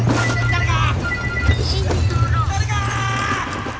誰か！